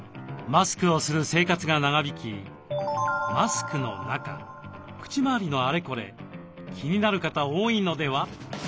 マスクをする生活が長引きマスクの中口まわりのあれこれ気になる方多いのでは？